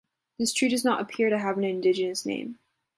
This tree does not appear to have an indigenous name.